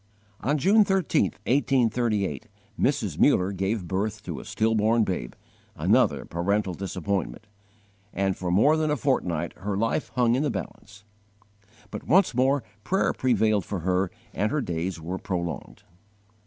On June 13, 1838, Mrs. Muller gave birth to a stillborn babe, another parental disappointment, and for more than a fortnight her life hung in the balance. But once more prayer prevailed for her and her days were prolonged.